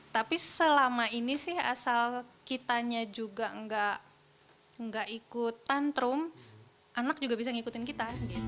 tapi selama ini sih asal kitanya juga nggak ikut tantrum anak juga bisa ngikutin kita